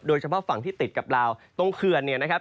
โดยเฉพาะฝั่งที่ติดกับลาวตรงเขื่อนนะครับ